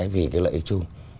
vì cái lợi ích chung